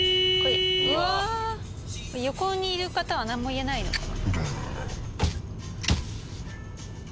横にいる方は何も言えないのかな。